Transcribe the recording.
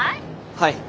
はい。